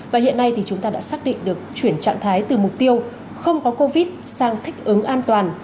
và hiện nay thì chúng ta đã xác định được chuyển trạng thái từ mục tiêu không có covid sang thích ứng an toàn